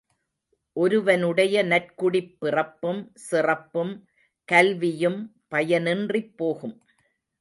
ஒருவனுடைய நற்குடிப் பிறப்பும், சிறப்பும், கல்வியும் பயனின்றிப் போகும்.